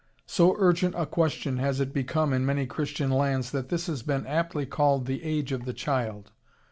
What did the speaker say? So urgent a question has it become in many Christian lands that this has been aptly called "the age of the child."